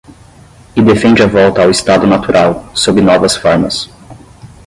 e defende a volta ao estado natural, sob novas formas